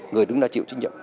người đứng ra chịu trách nhiệm